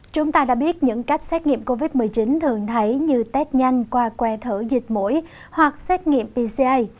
chúng ta đã biết những cách xét nghiệm covid một mươi chín thường thấy như test nhanh qua que thử dịch mũi hoặc xét nghiệm pca